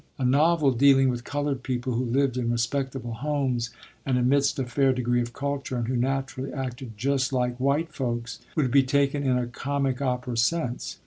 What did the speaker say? A novel dealing with colored people who lived in respectable homes and amidst a fair degree of culture and who naturally acted "just like white folks" would be taken in a comic opera sense.